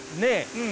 うん。